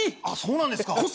あっそうなんですか。